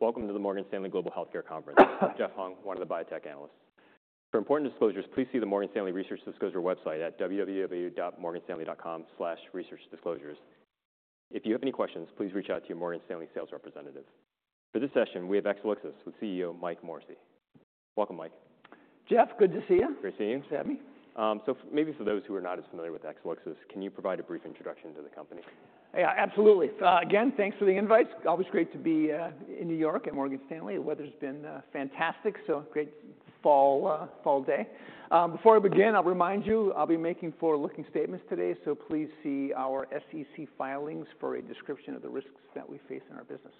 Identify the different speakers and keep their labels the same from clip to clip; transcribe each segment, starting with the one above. Speaker 1: Welcome to the Morgan Stanley Global Healthcare Conference. I'm Jeff Hung, one of the biotech analysts. For important disclosures, please see the Morgan Stanley Research Disclosure website at www.morganstanley.com/researchdisclosures. If you have any questions, please reach out to your Morgan Stanley sales representative. For this session, we have Exelixis with CEO Mike Morrissey. Welcome, Mike.
Speaker 2: Jeff, good to see you.
Speaker 1: Great seeing you.
Speaker 2: Thanks for having me.
Speaker 1: So, maybe for those who are not as familiar with Exelixis, can you provide a brief introduction to the company?
Speaker 2: Yeah, absolutely. Again, thanks for the invite. Always great to be in New York at Morgan Stanley. The weather's been fantastic, so great fall day. Before I begin, I'll remind you, I'll be making forward-looking statements today, so please see our SEC filings for a description of the risks that we face in our business.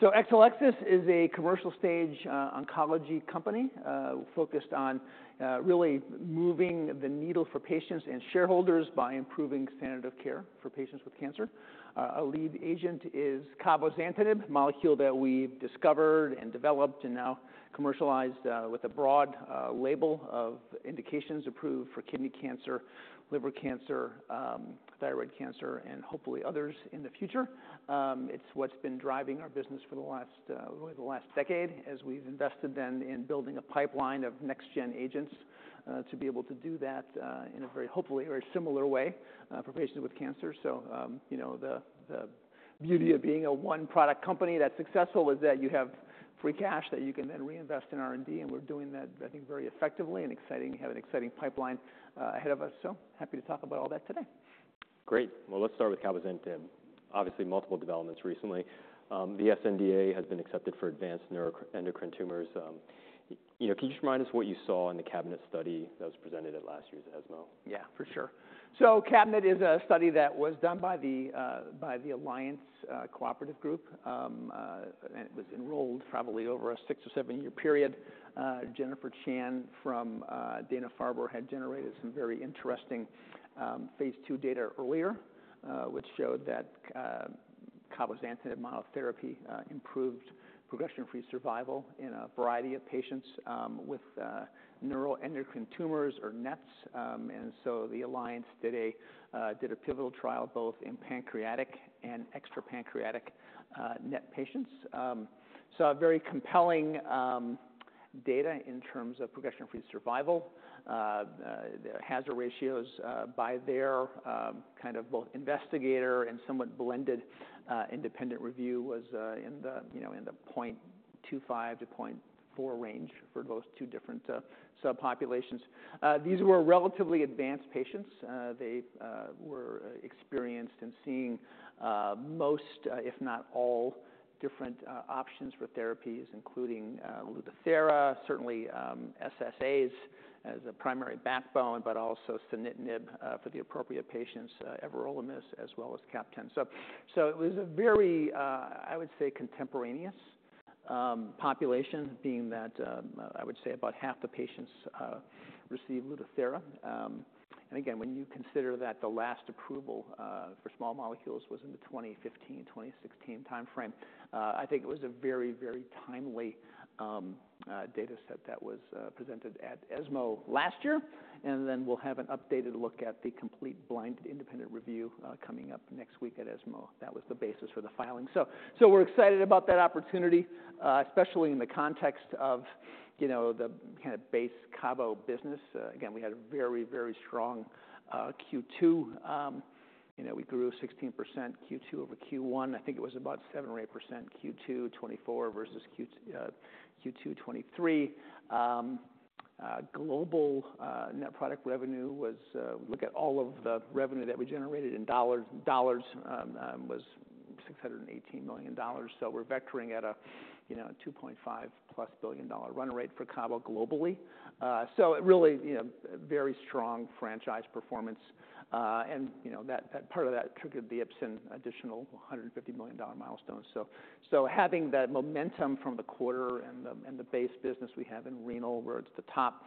Speaker 2: So Exelixis is a commercial stage oncology company focused on really moving the needle for patients and shareholders by improving standard of care for patients with cancer. Our lead agent is cabozantinib, a molecule that we discovered and developed and now commercialized with a broad label of indications approved for kidney cancer, liver cancer, thyroid cancer, and hopefully others in the future. It's what's been driving our business for the last, really the last decade, as we've invested then in building a pipeline of next gen agents, to be able to do that, in a very hopefully, very similar way, for patients with cancer. You know, the beauty of being a one-product company that's successful is that you have free cash that you can then reinvest in R&D, and we're doing that, I think, very effectively, and have an exciting pipeline ahead of us, so happy to talk about all that today.
Speaker 1: Great. Well, let's start with cabozantinib. Obviously, multiple developments recently. The sNDA has been accepted for advanced neuroendocrine tumors. You know, can you just remind us what you saw in the CABINET study that was presented at last year's ESMO?
Speaker 2: Yeah, for sure. So CABINET is a study that was done by the Alliance Cooperative Group, and it was enrolled probably over a 6 or 7-year period. Jennifer Chan from Dana-Farber had generated some very interesting phase II data earlier, which showed that cabozantinib therapy improved progression-free survival in a variety of patients with neuroendocrine tumors or NETs. And so the alliance did a pivotal trial both in pancreatic and extra-pancreatic NET patients. So a very compelling data in terms of progression-free survival. The hazard ratios by their kind of both investigator and somewhat blended independent review was in the you know in the 0.25-0.4 range for those two different subpopulations. These were relatively advanced patients. They were experienced in seeing most, if not all, different options for therapies, including Lutathera, certainly SSAs as a primary backbone, but also sunitinib for the appropriate patients, everolimus, as well as CAPTEM. So it was a very, I would say, contemporaneous population, being that I would say about half the patients received Lutathera. And again, when you consider that the last approval for small molecules was in the 2015, 2016 timeframe, I think it was a very, very timely data set that was presented at ESMO last year. And then we'll have an updated look at the complete blind, independent review coming up next week at ESMO. That was the basis for the filing. We're excited about that opportunity, especially in the context of, you know, the kinda base cabo business. Again, we had a very, very strong Q2. You know, we grew 16% Q2 over Q1. I think it was about 7% or 8% Q2 2024 versus Q2 2023. Global net product revenue was, look at all of the revenue that we generated in dollars. Dollars was $618 million. We're vectoring at a, you know, $2.5+ billion run rate for cabo globally. So it really, you know, very strong franchise performance. And you know, that part of that triggered the Ipsen additional $150 million milestone. So having that momentum from the quarter and the base business we have in renal, where it's the top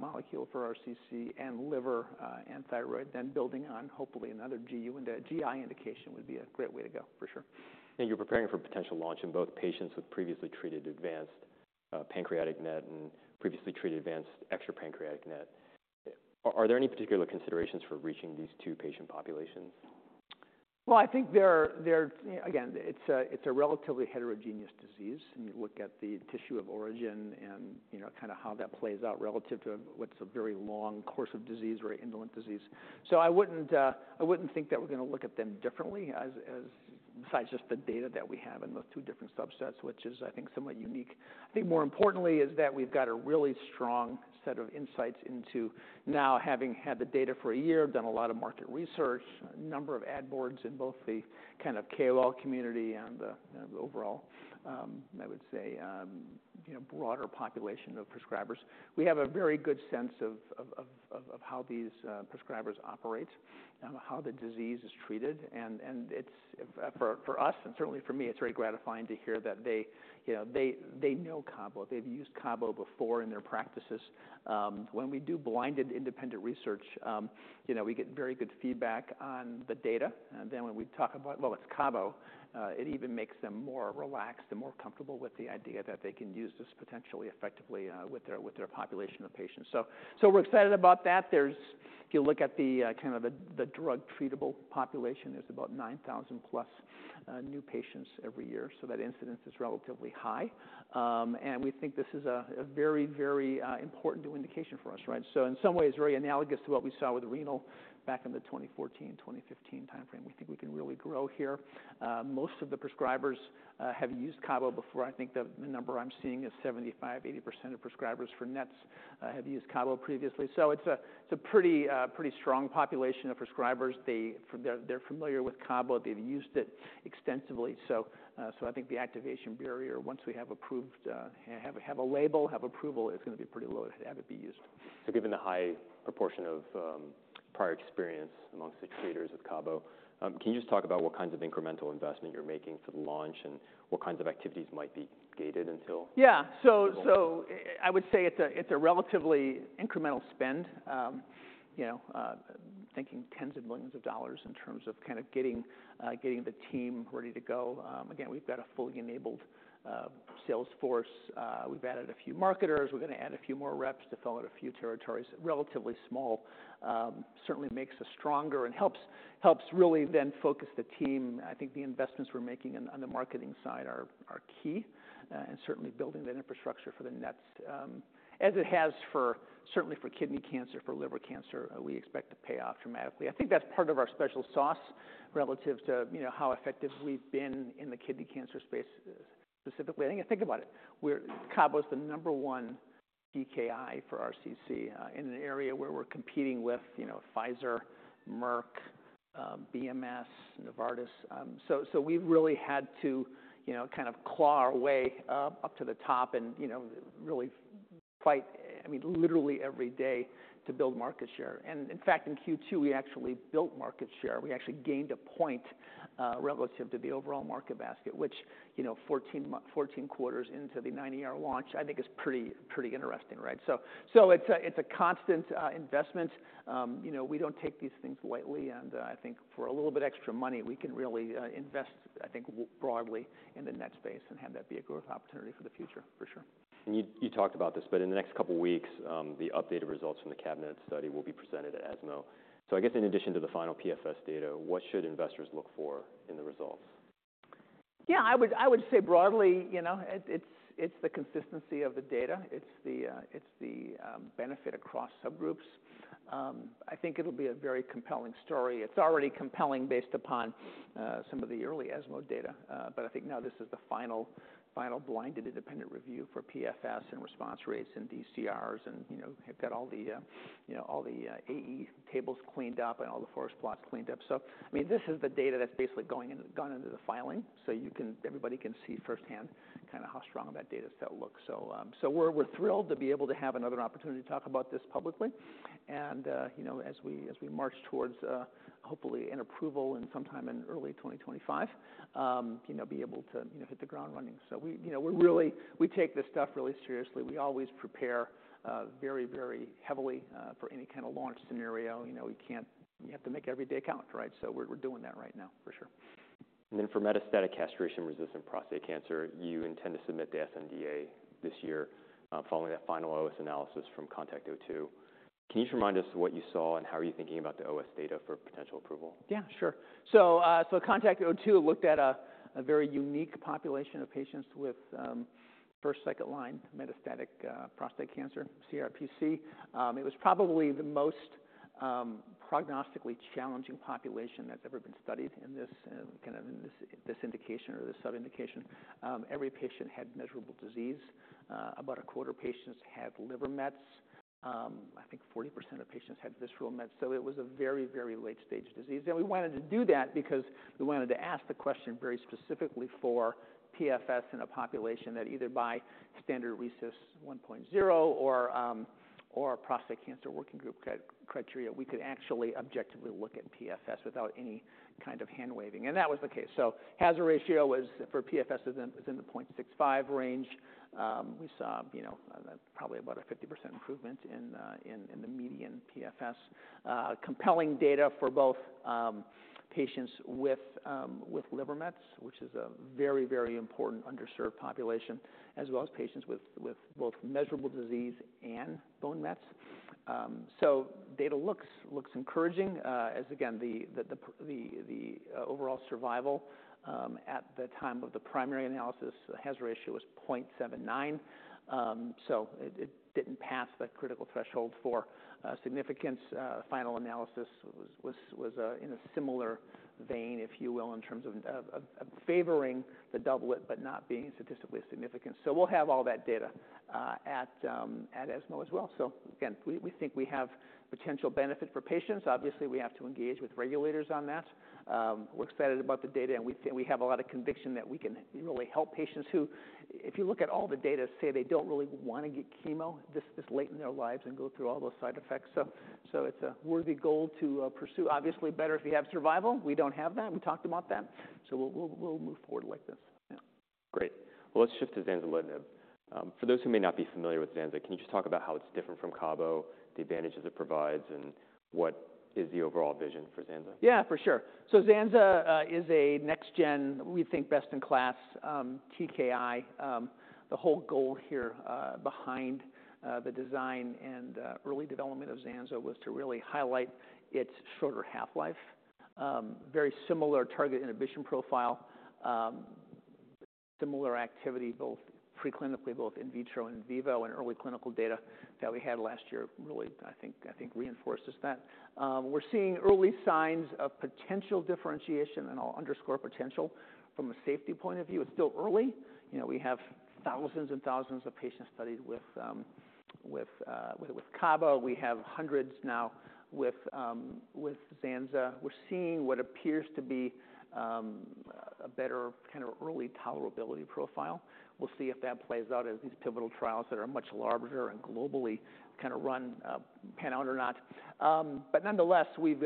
Speaker 2: molecule for RCC and liver and thyroid, then building on hopefully another GU and a GI indication would be a great way to go, for sure.
Speaker 1: And you're preparing for potential launch in both patients with previously treated advanced pancreatic NET and previously treated advanced extra-pancreatic NET. Are there any particular considerations for reaching these two patient populations?
Speaker 2: I think there are. Again, it's a relatively heterogeneous disease. When you look at the tissue of origin and, you know, kind of how that plays out relative to what's a very long course of disease, very indolent disease. So I wouldn't think that we're going to look at them differently as besides just the data that we have in those two different subsets, which is, I think, somewhat unique. I think more importantly is that we've got a really strong set of insights into now, having had the data for a year, done a lot of market research, a number of ad boards in both the kind of KOL community and the, you know, the overall, I would say, you know, broader population of prescribers. We have a very good sense of how these prescribers operate and how the disease is treated. And it's for us and certainly for me, it's very gratifying to hear that they, you know, they know Cabo. They've used Cabo before in their practices. When we do blinded independent research, you know, we get very good feedback on the data. And then when we talk about, "Well, it's Cabo," it even makes them more relaxed and more comfortable with the idea that they can use this potentially effectively with their population of patients. So we're excited about that. If you look at the kind of the drug treatable population, there's about 9,000+ new patients every year, so that incidence is relatively high. And we think this is a very very important new indication for us, right? So in some ways, very analogous to what we saw with renal back in the 2014, 2015 timeframe. We think we can really grow here. Most of the prescribers have used Cabo before. I think the number I'm seeing is 75%-80% of prescribers for NETs have used Cabo previously. So it's a pretty strong population of prescribers. They're familiar with Cabo. They've used it extensively, so I think the activation barrier, once we have approved, have a label, have approval, is going to be pretty low to have it be used.
Speaker 1: So given the high proportion of prior experience among the treaters of Cabo, can you just talk about what kinds of incremental investment you're making for the launch and what kinds of activities might be gated until?
Speaker 2: Yeah, so I would say it's a relatively incremental spend. You know, thinking tens of millions of dollars in terms of kind of getting the team ready to go. Again, we've got a fully enabled sales force. We've added a few marketers. We're going to add a few more reps to fill out a few territories. Relatively small. Certainly makes us stronger and helps really then focus the team. I think the investments we're making on the marketing side are key, and certainly building that infrastructure for the NETs, as it has for certainly for kidney cancer, for liver cancer, we expect to pay off dramatically. I think that's part of our special sauce relative to, you know, how effective we've been in the kidney cancer space specifically. I think about it, we're Cabo’s the number one TKI for RCC, in an area where we're competing with, you know, Pfizer, Merck, BMS, Novartis. So, we've really had to, you know, kind of claw our way up to the top and, you know, really fight, I mean, literally every day to build market share. And in fact, in Q2, we actually built market share. We actually gained a point, relative to the overall market basket, which, you know, 14 quarters into the 9ER launch, I think is pretty interesting, right? So, it's a, it's a constant investment. You know, we don't take these things lightly, and I think for a little bit extra money, we can really invest, I think, broadly in the next space and have that be a growth opportunity for the future, for sure.
Speaker 1: You talked about this, but in the next couple of weeks, the updated results from the CABINET study will be presented at ESMO. I guess in addition to the final PFS data, what should investors look for in the results?
Speaker 2: Yeah, I would say broadly, you know, it's the consistency of the data. It's the benefit across subgroups. I think it'll be a very compelling story. It's already compelling based upon some of the early ESMO data, but I think now this is the final blinded independent review for PFS and response rates and DCRs, and, you know, they've got all the, you know, all the, AE tables cleaned up and all the forest plots cleaned up. So, I mean, this is the data that's basically gone into the filing. So you can everybody can see firsthand kinda how strong that data set looks. So, so we're thrilled to be able to have another opportunity to talk about this publicly. You know, as we march towards, hopefully, an approval sometime in early 2025, you know, be able to, you know, hit the ground running. So we, you know, we're really. We take this stuff really seriously. We always prepare very, very heavily for any kind of launch scenario. You know, we have to make every day count, right? So we're doing that right now, for sure.
Speaker 1: And then for metastatic castration-resistant prostate cancer, you intend to submit the sNDA this year, following that final OS analysis from CONTACT-02. Can you just remind us what you saw, and how are you thinking about the OS data for potential approval?
Speaker 2: Yeah, sure. So, so CONTACT-02 looked at a very unique population of patients with first, second-line metastatic prostate cancer, CRPC. It was probably the most prognostically challenging population that's ever been studied in this kind of, in this indication or this sub-indication. Every patient had measurable disease. About 1/4 of patients had liver mets. I think 40% of patients had visceral mets. So it was a very, very late-stage disease. And we wanted to do that because we wanted to ask the question very specifically for PFS in a population that, either by standard RECIST 1.0 or, or Prostate Cancer Working Group criteria, we could actually objectively look at PFS without any kind of hand-waving. And that was the case. So hazard ratio was, for PFS, is in the 0.65 range. We saw, you know, probably about a 50% improvement in the median PFS. Compelling data for both patients with liver mets, which is a very, very important underserved population, as well as patients with both measurable disease and bone mets. So data looks encouraging. As again, the overall survival at the time of the primary analysis, the hazard ratio was 0.79. So it didn't pass that critical threshold for significance. Final analysis was in a similar vein, if you will, in terms of favoring the doublet, but not being statistically significant. We'll have all that data at ESMO as well. Again, we think we have potential benefit for patients. Obviously, we have to engage with regulators on that. We're excited about the data, and we feel we have a lot of conviction that we can really help patients who, if you look at all the data, say they don't really want to get chemo this late in their lives and go through all those side effects. So, it's a worthy goal to pursue. Obviously, better if you have survival. We don't have that. We talked about that. So we'll move forward like this. Yeah.
Speaker 1: Great. Well, let's shift to zanzalitinib. For those who may not be familiar with Zanza, can you just talk about how it's different from Cabo, the advantages it provides, and what is the overall vision for Zanza?
Speaker 2: Yeah, for sure. So Zanza is a next-gen, we think, best-in-class TKI. The whole goal here behind the design and early development of Zanza was to really highlight its shorter half-life. Very similar target inhibition profile, similar activity, both preclinically, both in vitro and in vivo, and early clinical data that we had last year, really, I think reinforces that. We're seeing early signs of potential differentiation, and I'll underscore potential, from a safety point of view. It's still early. You know, we have thousands and thousands of patient studies with Cabo. We have hundreds now with Zanza. We're seeing what appears to be a better kind of early tolerability profile. We'll see if that plays out as these pivotal trials that are much larger and globally kind of run, pan out or not. But nonetheless, we've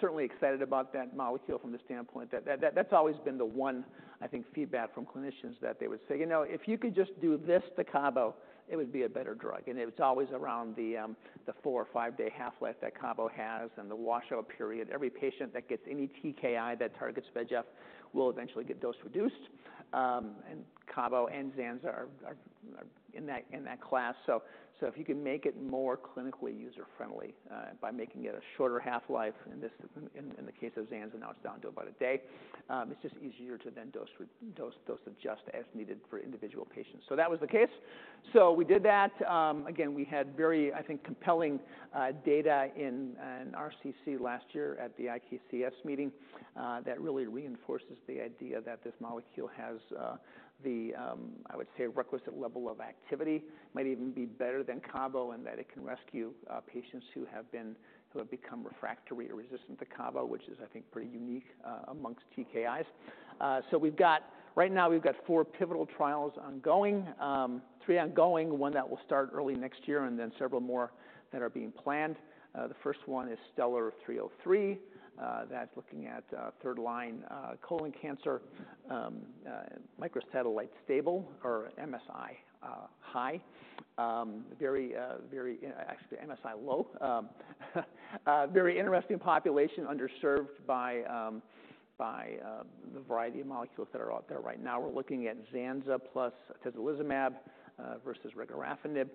Speaker 2: certainly excited about that molecule from the standpoint that that's always been the one, I think, feedback from clinicians that they would say: "You know, if you could just do this to Cabo, it would be a better drug, and it's always around the four- or five-day half-life that Cabo has and the washout period." Every patient that gets any TKI that targets VEGF will eventually get dose-reduced, and Cabo and Zanza are in that class. So if you can make it more clinically user-friendly by making it a shorter half-life, and this in the case of Zanza, now it's down to about a day, it's just easier to then dose adjust as needed for individual patients. So that was the case. So we did that. Again, we had very, I think, compelling data in an RCC last year at the IKCS meeting that really reinforces the idea that this molecule has the I would say requisite level of activity, might even be better than Cabo, and that it can rescue patients who have become refractory or resistant to Cabo, which is, I think, pretty unique amongst TKIs. So we've got... Right now, we've got four pivotal trials ongoing, three ongoing, one that will start early next year, and then several more that are being planned. The first one is STELLAR-303. That's looking at third line colon cancer, microsatellite stable or MSI high. Actually, MSI low. Very interesting population, underserved by the variety of molecules that are out there right now. We're looking at Zanza plus atezolizumab versus regorafenib.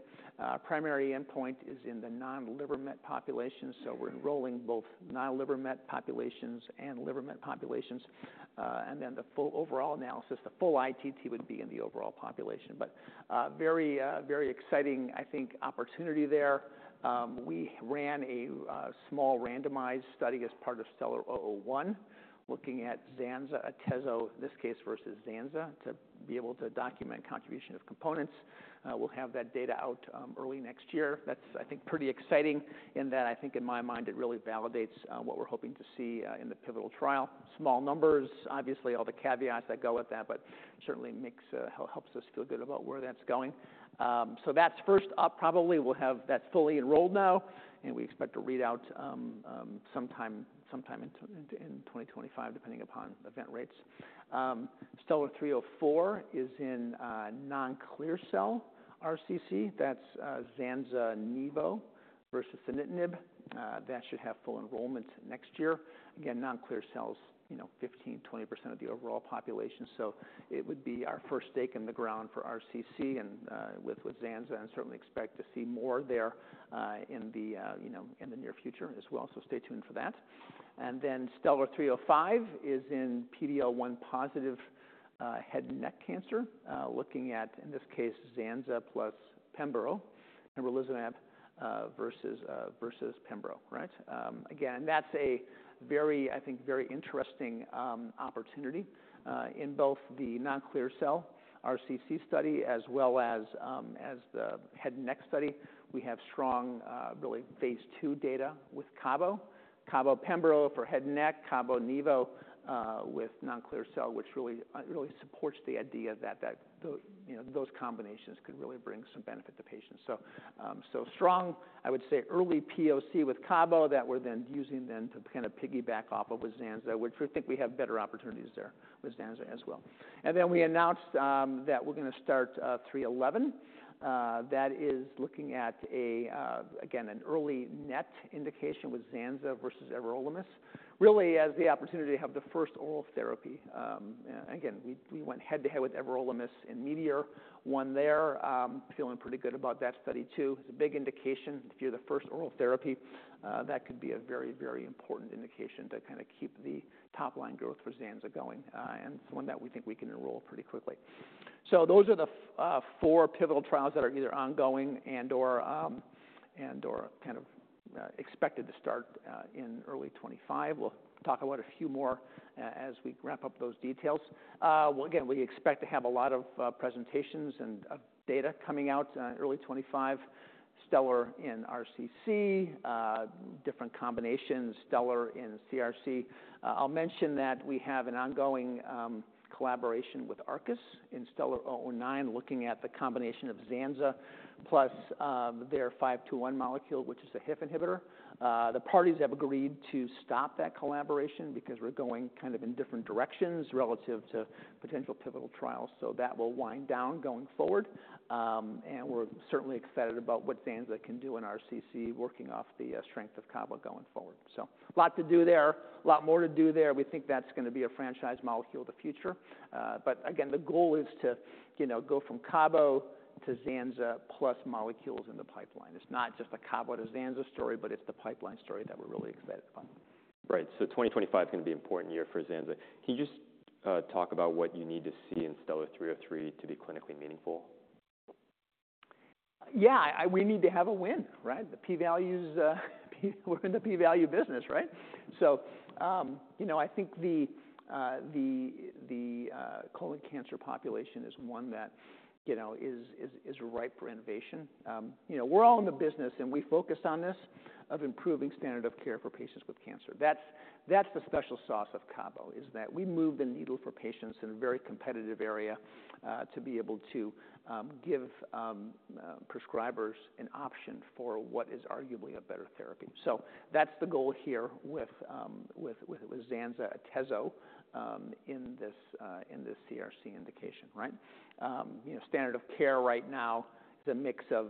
Speaker 2: Primary endpoint is in the non-liver met population, so we're enrolling both non-liver met populations and liver met populations. And then the full overall analysis, the full ITT would be in the overall population, but very exciting, I think, opportunity there. We ran a small randomized study as part of STELLAR-001, looking at Zanza, atezo, in this case, versus Zanza, to be able to document contribution of components. We'll have that data out early next year. That's, I think, pretty exciting in that I think in my mind it really validates what we're hoping to see in the pivotal trial. Small numbers, obviously, all the caveats that go with that, but certainly helps us feel good about where that's going. So that's first up. Probably, we'll have that fully enrolled now, and we expect to read out sometime in 2025, depending upon event rates. STELLAR-304 is in non-clear cell RCC. That's Zanza nivo versus sunitinib. That should have full enrollment next year. Again, non-clear cell RCCs, you know, 15%-20% of the overall population, so it would be our first stake in the ground for RCC and with Zanza, and certainly expect to see more there, you know, in the near future as well. So stay tuned for that. And then STELLAR-305 is in PD-L1-positive head and neck cancer, looking at, in this case, Zanza plus pembro, nivolumab versus pembro, right? Again, that's a very, I think, very interesting opportunity in both the non-clear cell RCC study as well as the head and neck study. We have strong, really phase II data with Cabo, Cabo pembro for head and neck, Cabo nivo, with non-clear cell, which really, really supports the idea that you know, those combinations could really bring some benefit to patients. So, so strong, I would say, early POC with Cabo that we're then using then to kind of piggyback off of with Zanza, which we think we have the opportunity for Zanza as well. That is looking at a, again, an early NET indication with Zanza versus everolimus, really as the opportunity to have the first oral therapy. Again, we went head-to-head with everolimus in METEOR-1 there. Feeling pretty good about that study, too. It's a big indication. If you're the first oral therapy, that could be a very, very important indication to kind of keep the top-line growth for Zanza going, and it's one that we think we can enroll pretty quickly. So those are the four pivotal trials that are either ongoing and/or kind of expected to start in early 2025. We'll talk about a few more as we wrap up those details. Again, we expect to have a lot of presentations and data coming out early twenty-five. Stellar in RCC, different combinations, Stellar in CRC. I'll mention that we have an ongoing collaboration with Arcus in STELLAR-009, looking at the combination of Zanza plus their AB521 molecule, which is a HIF inhibitor. The parties have agreed to stop that collaboration because we're going kind of in different directions relative to potential pivotal trials, so that will wind down going forward, and we're certainly excited about what Zanza can do in RCC, working off the strength of Cabo going forward, so a lot to do there, a lot more to do there. We think that's going to be a franchise molecule of the future, but again, the goal is to, you know, go from Cabo to Zanza plus molecules in the pipeline. It's not just a Cabo to Zanza story, but it's the pipeline story that we're really excited about.
Speaker 1: Right. So 2025 is going to be an important year for Zanza. Can you just talk about what you need to see in STELLAR-303 to be clinically meaningful?
Speaker 2: Yeah, we need to have a win, right? The P-value's, we're in the P-value business, right? So, you know, I think the colon cancer population is one that, you know, is ripe for innovation. You know, we're all in the business and we focus on this, of improving standard of care for patients with cancer. That's the special sauce of Cabo, is that we move the needle for patients in a very competitive area, to be able to give prescribers an option for what is arguably a better therapy. So that's the goal here with Zanza atezo in this CRC indication, right? You know, standard of care right now is a mix of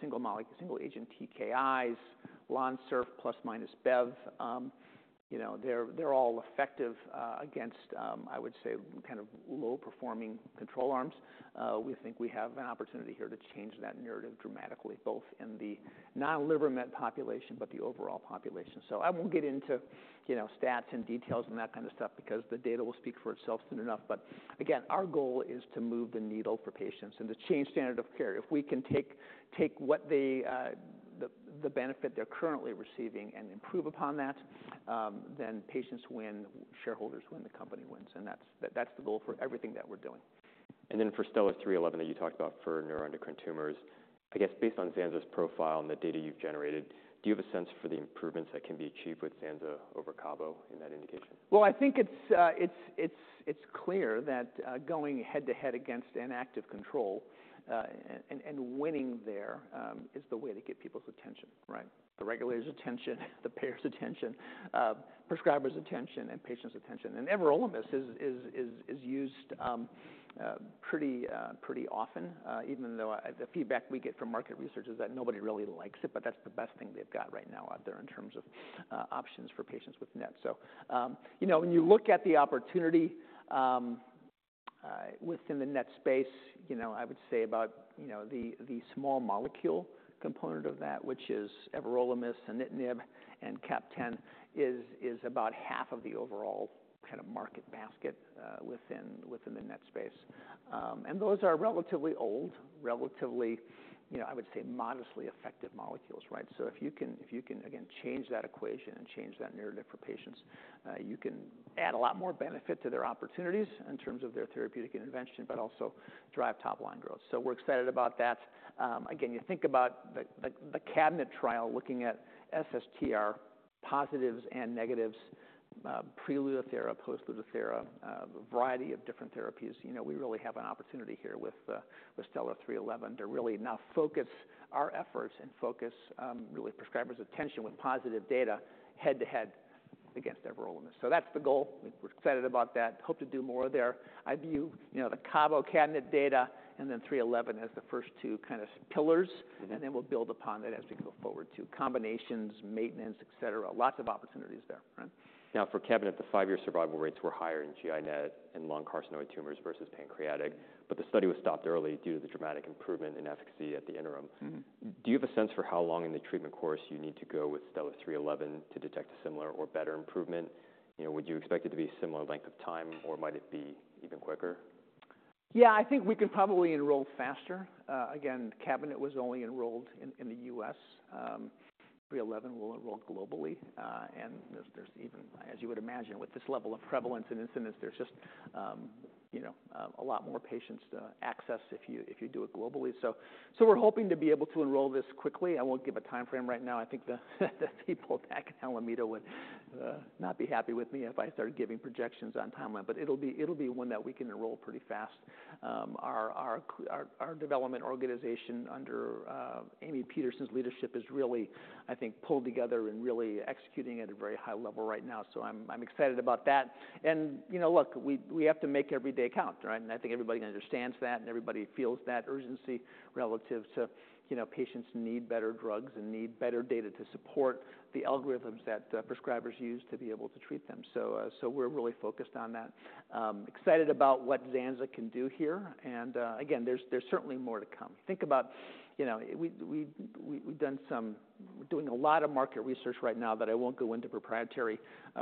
Speaker 2: single molecule, single agent TKIs, Lonsurf plus minus Bev. You know, they're all effective against I would say kind of low-performing control arms. We think we have an opportunity here to change that narrative dramatically, both in the non-liver met population, but the overall population. So I won't get into stats and details and that kind of stuff, because the data will speak for itself soon enough. But again, our goal is to move the needle for patients and to change standard of care. If we can take the benefit they're currently receiving and improve upon that, then patients win, shareholders win, the company wins, and that's the goal for everything that we're doing.
Speaker 1: And then for STELLAR-311 that you talked about for neuroendocrine tumors, I guess based on Zanza's profile and the data you've generated, do you have a sense for the improvements that can be achieved with Zanza over Cabo in that indication?
Speaker 2: I think it's clear that going head-to-head against an active control and winning there is the way to get people's attention, right? The regulator's attention, the payer's attention, prescriber's attention, and patient's attention. And everolimus is used pretty often, even though the feedback we get from market research is that nobody really likes it, but that's the best thing they've got right now out there in terms of options for patients with NET. So, you know, when you look at the opportunity within the NET space, you know, I would say about the small molecule component of that, which is everolimus, and sunitinib and CAPTEM, is about half of the overall kind of market basket within the NET space. And those are relatively old, relatively, you know, I would say, modestly effective molecules, right? So if you can, if you can, again, change that equation and change that narrative for patients, you can add a lot more benefit to their opportunities in terms of their therapeutic intervention, but also drive top-line growth. So we're excited about that. Again, you think about the CABINET trial looking at SSTR positives and negatives, pre-Lutathera, post-Lutathera, a variety of different therapies. You know, we really have an opportunity here with STELLAR-311 to really now focus our efforts and focus really prescribers' attention with positive data head-to-head against everolimus. So that's the goal. We're excited about that. Hope to do more there. I view, you know, the Cabo CABINET data and then STELLAR-311 as the first two kind of pillars, and then we'll build upon it as we go forward to combinations, maintenance, et cetera. Lots of opportunities there, right?
Speaker 1: Now, for CABINET, the 5-year survival rates were higher in GI NET and lung carcinoid tumors versus pancreatic, but the study was stopped early due to the dramatic improvement in efficacy at the interim.
Speaker 2: Mm-hmm.
Speaker 1: Do you have a sense for how long in the treatment course you need to go with STELLAR-311 to detect a similar or better improvement? You know, would you expect it to be a similar length of time, or might it be even quicker?
Speaker 2: Yeah, I think we can probably enroll faster. Again, CABINET was only enrolled in the U.S. STELLAR-311 will enroll globally, and there's even, as you would imagine, with this level of prevalence and incidence, there's just you know a lot more patients to access if you do it globally. So we're hoping to be able to enroll this quickly. I won't give a timeframe right now. I think the people back in Alameda would not be happy with me if I started giving projections on timeline, but it'll be one that we can enroll pretty fast. Our development organization under Amy Peterson's leadership is really, I think, pulled together and really executing at a very high level right now. So I'm excited about that. You know, look, we have to make every day count, right? And I think everybody understands that, and everybody feels that urgency relative to, you know, patients need better drugs and need better data to support the algorithms that prescribers use to be able to treat them. So we're really focused on that. Excited about what Zanza can do here and again, there's certainly more to come. Think about, you know, we've done some. We're doing a lot of market research right now, but I won't go into proprietary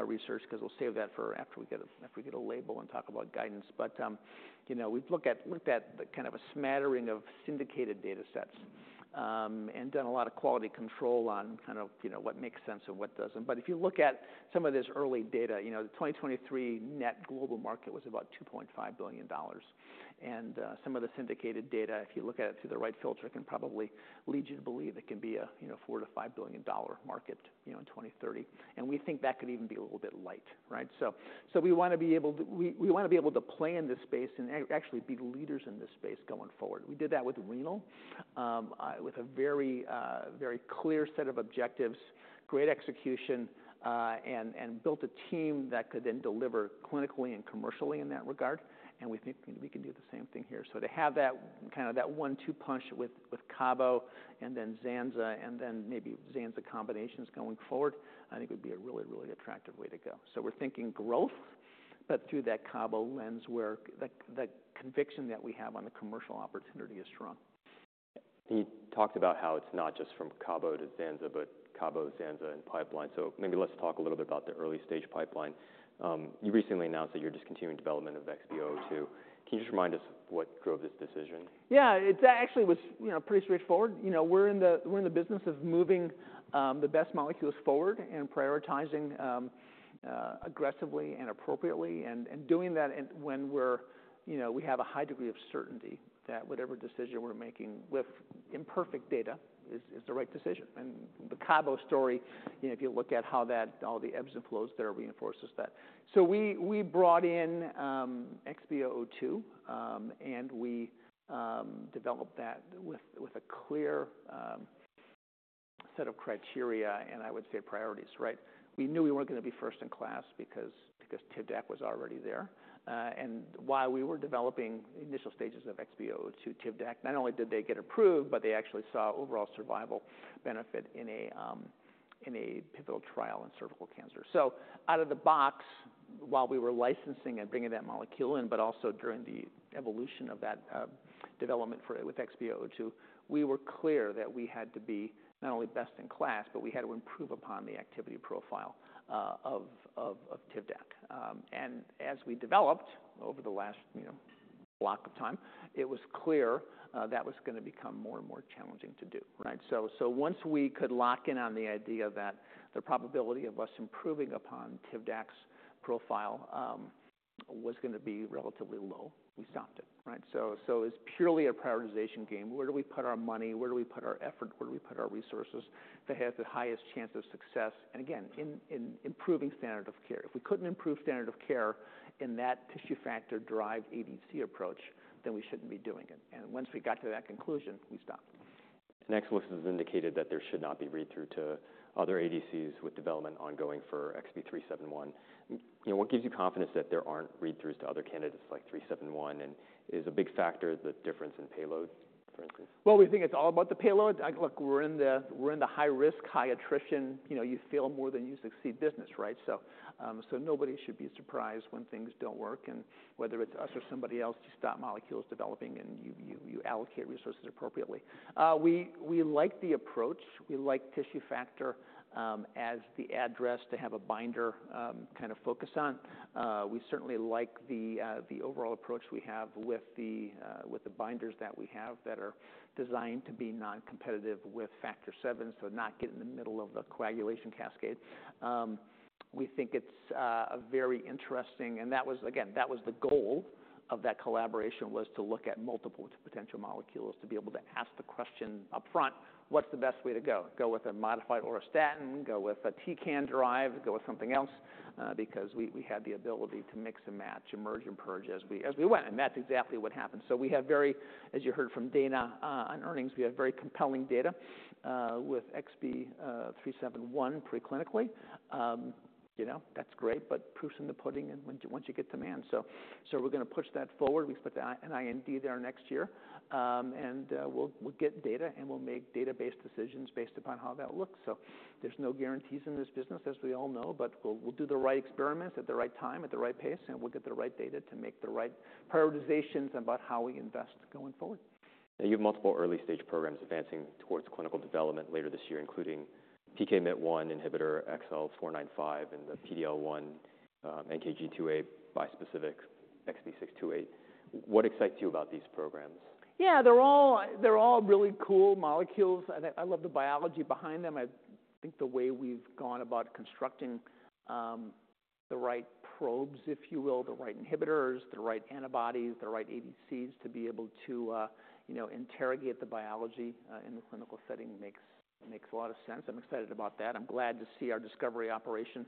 Speaker 2: research 'cause we'll save that for after we get a label and talk about guidance. But you know, we've looked at the kind of a smattering of syndicated data sets and done a lot of quality control on kind of, you know, what makes sense and what doesn't. But if you look at some of this early data, you know, the 2023 NET global market was about $2.5 billion. And some of the syndicated data, if you look at it through the right filter, can probably lead you to believe it can be a, you know, $4-$5 billion market, you know, in 2030. And we think that could even be a little bit light. Right? So we want to be able to play in this space and actually be leaders in this space going forward. We did that with renal, with a very, very clear set of objectives, great execution, and built a team that could then deliver clinically and commercially in that regard, and we think we can do the same thing here. So to have that kind of one-two punch with Cabo and then Zanza, and then maybe Zanza combinations going forward, I think would be a really, really attractive way to go. So we're thinking growth, but through that Cabo lens, where the conviction that we have on the commercial opportunity is strong.
Speaker 1: You talked about how it's not just from Cabo to Zanza, but Cabo, Zanza, and pipeline. So maybe let's talk a little bit about the early-stage pipeline. You recently announced that you're discontinuing development of XB002. Can you just remind us what drove this decision?
Speaker 2: Yeah, it actually was, you know, pretty straightforward. You know, we're in the business of moving the best molecules forward and prioritizing aggressively and appropriately, and doing that in, when we're, you know, we have a high degree of certainty that whatever decision we're making with imperfect data is the right decision. And the Cabo story, you know, if you look at how that all the ebbs and flows there reinforces that. So we brought in XB002, and we developed that with a clear set of criteria, and I would say priorities, right? We knew we weren't going to be first in class because Tivdak was already there. And while we were developing initial stages of XB002, Tivdak not only did they get approved, but they actually saw overall survival benefit in a pivotal trial in cervical cancer. So out of the box, while we were licensing and bringing that molecule in, but also during the evolution of that development for with XB002, we were clear that we had to be not only best in class, but we had to improve upon the activity profile of Tivdak. And as we developed over the last, you know, block of time, it was clear that was going to become more and more challenging to do, right? So once we could lock in on the idea that the probability of us improving upon Tivdak's profile was going to be relatively low, we stopped it, right? It's purely a prioritization game. Where do we put our money? Where do we put our effort? Where do we put our resources to have the highest chance of success, and again, in improving standard of care? If we couldn't improve standard of care in that tissue factor-derived ADC approach, then we shouldn't be doing it and once we got to that conclusion, we stopped.
Speaker 1: Next, which has indicated that there should not be read-through to other ADCs with development ongoing for XB371. You know, what gives you confidence that there aren't read-throughs to other candidates like XB371, and is a big factor the difference in payload, for instance?
Speaker 2: We think it's all about the payload. Look, we're in the high risk, high attrition, you know, you fail more than you succeed business, right? So, nobody should be surprised when things don't work, and whether it's us or somebody else, you stop developing molecules and you allocate resources appropriately. We like the approach. We like tissue factor as the address to have a binder kind of focus on. We certainly like the overall approach we have with the binders that we have that are designed to be non-competitive with Factor VII, so not get in the middle of the coagulation cascade. We think it's very interesting, and that was, again, the goal of that collaboration, was to look at multiple potential molecules to be able to ask the question upfront: "What's the best way to go? Go with a modified auristatin, go with a tecan-derived, go with something else," because we had the ability to mix and match, and merge and purge as we went, and that's exactly what happened. So we have very, as you heard from Dana, on earnings, we have very compelling data with XB371 preclinically. You know, that's great, but proof's in the pudding and once you get to man. So we're going to push that forward. We put an IND there next year, and we'll get data, and we'll make data-based decisions based upon how that looks. So there's no guarantees in this business, as we all know, but we'll do the right experiments at the right time, at the right pace, and we'll get the right data to make the right prioritizations about how we invest going forward.
Speaker 1: Now, you have multiple early-stage programs advancing towards clinical development later this year, including PKMYT1 inhibitor XL495 and the PD-L1, NKG2A bispecific XD628. What excites you about these programs?
Speaker 2: Yeah, they're all really cool molecules. I love the biology behind them. I think the way we've gone about constructing the right probes, if you will, the right inhibitors, the right antibodies, the right ADCs, to be able to you know, interrogate the biology in the clinical setting makes a lot of sense. I'm excited about that. I'm glad to see our discovery operation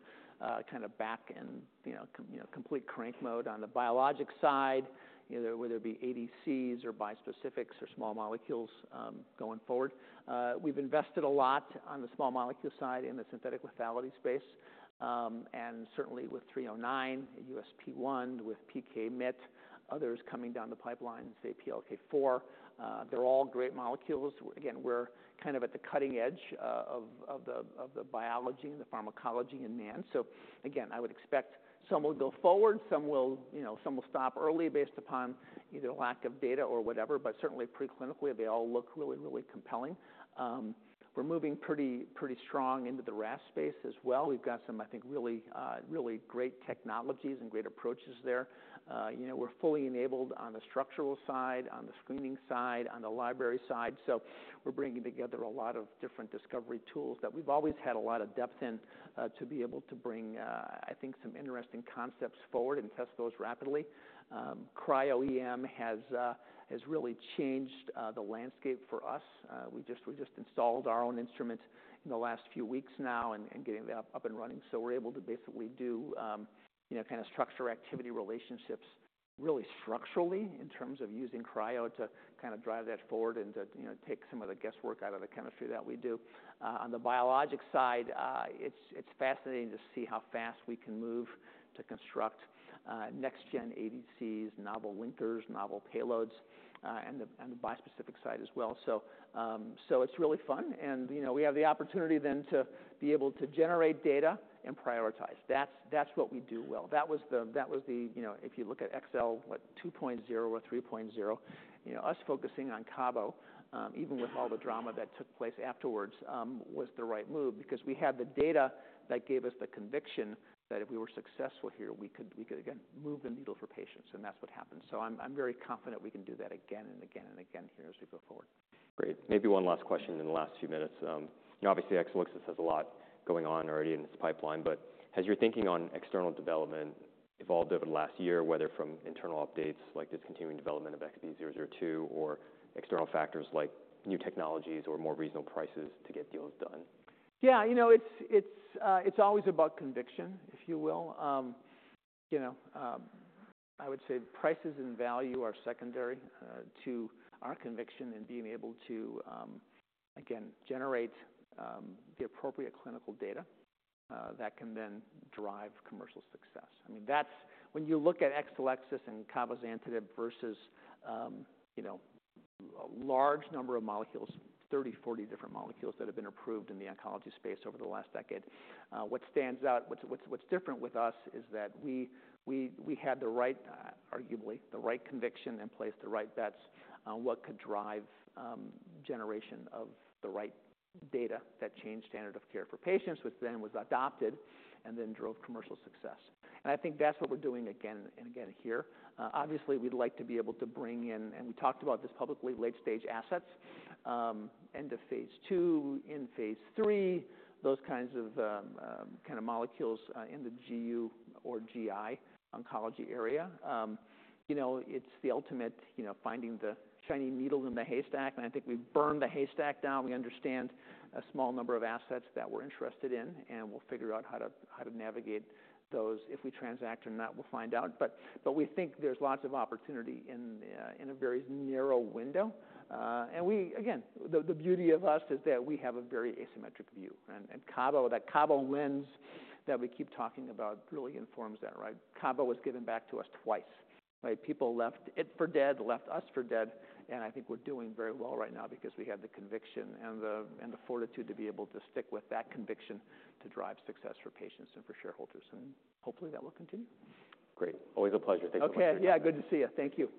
Speaker 2: kind of back in, you know, completely crank mode on the biologic side, you know, whether it be ADCs or bispecifics or small molecules going forward. We've invested a lot on the small molecule side in the synthetic lethality space, and certainly with XL309, USP1, with PKMYT1, others coming down the pipeline, say PLK4. They're all great molecules. Again, we're kind of at the cutting edge of the biology and the pharmacology in NAD. So again, I would expect some will go forward, some will, you know, some will stop early based upon either lack of data or whatever. But certainly pre-clinically, they all look really, really compelling. We're moving pretty, pretty strong into the RAS space as well. We've got some, I think, really great technologies and great approaches there. You know, we're fully enabled on the structural side, on the screening side, on the library side, so we're bringing together a lot of different discovery tools that we've always had a lot of depth in to be able to bring, I think, some interesting concepts forward and test those rapidly. Cryo-EM has really changed the landscape for us. We just installed our own instrument in the last few weeks now and getting that up and running. So we're able to basically do, you know, kind of structure activity relationships, really structurally in terms of using cryo to kind of drive that forward and to, you know, take some of the guesswork out of the chemistry that we do. On the biologic side, it's fascinating to see how fast we can move to construct next gen ADCs, novel linkers, novel payloads, and the bispecific side as well. So it's really fun and, you know, we have the opportunity then to be able to generate data and prioritize. That's what we do well. That was the, you know, if you look at XL, what, 2.0 or 3.0, you know, us focusing on Cabo, even with all the drama that took place afterwards, was the right move because we had the data that gave us the conviction that if we were successful here, we could again move the needle for patients, and that's what happened. So I'm very confident we can do that again and again and again here as we go forward.
Speaker 1: Great. Maybe one last question in the last few minutes. You know, obviously, Exelixis has a lot going on already in its pipeline, but has your thinking on external development evolved over the last year, whether from internal updates like discontinuing development of XB002 or external factors like new technologies or more reasonable prices to get deals done?
Speaker 2: Yeah, you know, it's always about conviction, if you will. You know, I would say prices and value are secondary to our conviction in being able to again generate the appropriate clinical data that can then drive commercial success. I mean, that's. When you look at Exelixis and cabozantinib versus you know a large number of molecules, 30, 40 different molecules that have been approved in the oncology space over the last decade, what stands out, what's different with us is that we had the right, arguably, the right conviction and placed the right bets on what could drive generation of the right data that changed standard of care for patients, which then was adopted and then drove commercial success. And I think that's what we're doing again and again here. Obviously, we'd like to be able to bring in, and we talked about this publicly, late-stage assets, end of phase II, in phase three, those kinds of kind of molecules in the GU or GI oncology area. You know, it's the ultimate, you know, finding the shiny needle in the haystack, and I think we've burned the haystack down. We understand a small number of assets that we're interested in, and we'll figure out how to navigate those. If we transact or not, we'll find out, but we think there's lots of opportunity in a very narrow window. And we again, the beauty of us is that we have a very asymmetric view, and Cabo, that Cabo wins that we keep talking about really informs that, right? Cabo was given back to us twice. Right, people left it for dead, left us for dead, and I think we're doing very well right now because we had the conviction and the fortitude to be able to stick with that conviction to drive success for patients and for shareholders, and hopefully, that will continue.
Speaker 1: Great. Always a pleasure. Thank you much.
Speaker 2: Okay. Yeah. Good to see you. Thank you.